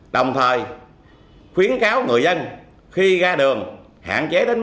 đồng thời khuyến cáo người dân khi ra đường hạn chế đến mức thấp nhất đeo tài sản trên người